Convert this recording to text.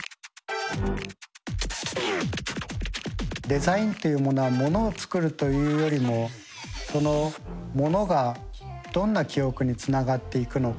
デザインというものはものを作るというよりもそのものがどんな記憶につながっていくのか